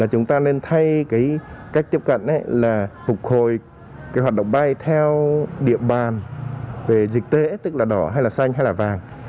chúng ta nên thay cách tiếp cận là phục hồi cái hoạt động bay theo địa bàn về dịch tễ tức là đỏ hay là xanh hay là vàng